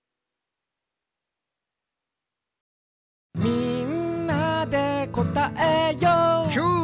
「みんなでこたえよう」キュー！